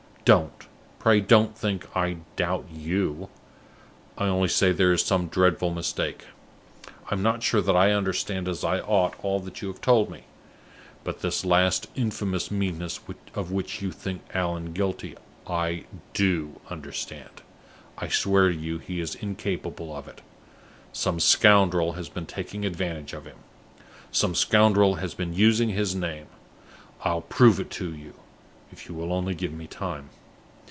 Don't, pray don't think I doubt you; I only say there is some dreadful mistake. I am not sure that I understand as I ought all that you have told me. But this last infamous meanness of which you think Allan guilty, I do understand. I swear to you, he is incapable of it! Some scoundrel has been taking advantage of him; some scoundrel has been using his name. I'll prove it to you, if you will only give me time.